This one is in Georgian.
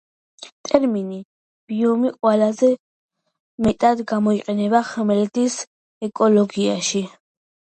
ტერმინი „ბიომი“ ყველაზე მეტად გამოიყენება ხმელეთის ეკოლოგიაში.